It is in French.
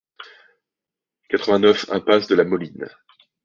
quatre-vingt-neuf impasse de la Moline